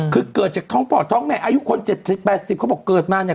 คือเกิดจากท้องปอดท้องแม่อายุคน๗๐๘๐เขาบอกเกิดมาเนี่ย